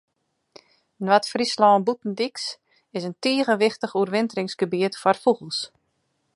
Noard-Fryslân Bûtendyks is in tige wichtich oerwinteringsgebiet foar fûgels.